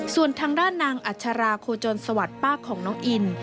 ส่วนทางด้านนางอัชราโคจรสวัสดิ์ป้าของน้องอิน